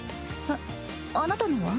えっあなたのは？